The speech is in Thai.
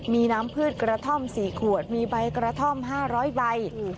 มีน้ำพืชกระท่อม๔ขวดมีใบกระท่อม๕๐๐ใบ